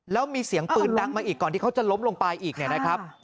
แล้วมีเสียงปืนดังมาอีกก่อนที่เขาจะล้มลงไปอีกเนี่ยนะครับ